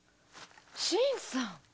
新さん。